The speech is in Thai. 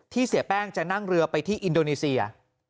เสียแป้งจะนั่งเรือไปที่อินโดนีเซีย